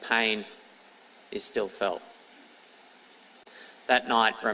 dua puluh tahun kemudian sakit masih terasa